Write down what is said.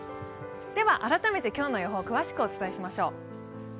では、改めて今日の予報を詳しくお伝えしましょう。